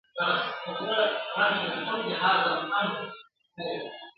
تر اسمان لاندي تر مځکي شهنشاه یم ..